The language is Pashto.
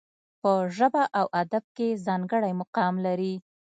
په ژبه او ادب کې ځانګړی مقام لري.